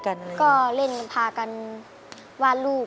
ทุกคนอะไรจะอยากรู้